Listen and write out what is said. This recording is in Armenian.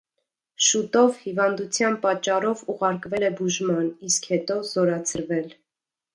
Շուտով հիվանդության պատճառով ուղարկվել է բուժման, իսկ հետո զորացրվել։